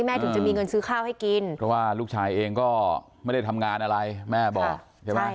ถึงจะมีเงินซื้อข้าวให้กินเพราะว่าลูกชายเองก็ไม่ได้ทำงานอะไรแม่บอกใช่ไหม